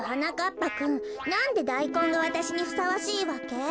ぱくんなんでダイコンがわたしにふさわしいわけ？